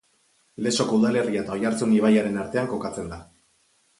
Lezoko udalerria eta Oiartzun ibaiaren artean kokatzen da.